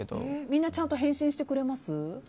みんなちゃんと返信してくれます？